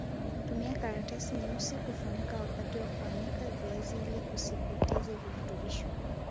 tumia karatasi nyeusi kufunika wakati wa kuanika viazi ili usipoteze virutubisho